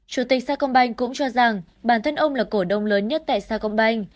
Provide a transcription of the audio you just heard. chủ tịch sa công banh cũng cho rằng bản thân ông là cổ đông lớn nhất tại sa công banh